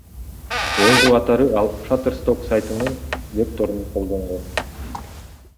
Уңгу катары ал Шаттерсток сайтынын векторун колдонгон.